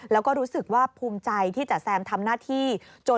แล้วก็รู้สึกว่าภูมิใจที่จ๋าแซมทำหน้าที่